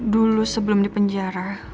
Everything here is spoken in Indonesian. dulu sebelum di penjara